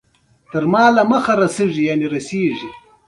ځه غولی خپل کار کوه